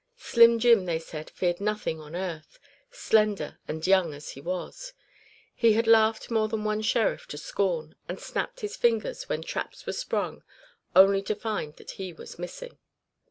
Slim Jim they said feared nothing on earth; slender and young as he was, he had laughed more than one sheriff to scorn; and snapped his fingers when traps were sprung only to find that he was missing.